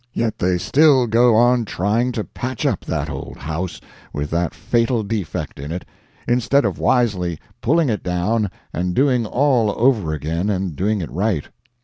Yet they still go on trying to patch up that old house, with that fatal defect in it, instead of wisely pulling it down and doing all over again and doing it right.